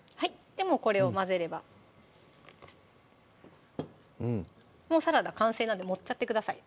もうこれを混ぜればもうサラダ完成なんで盛っちゃってください